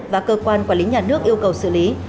và cơ quan quản lý nhà nước yêu cầu xử lý